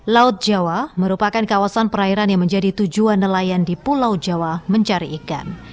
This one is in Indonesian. laut jawa merupakan kawasan perairan yang menjadi tujuan nelayan di pulau jawa mencari ikan